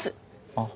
あっ。